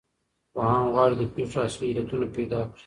پوهان غواړي د پېښو اصلي علتونه پیدا کړو.